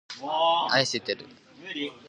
愛してるといった。